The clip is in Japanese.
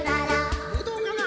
ぶどうかな？